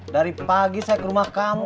dari pagi saya ke rumah kamu